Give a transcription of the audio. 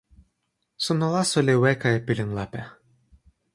suno laso li weka e pilin lape.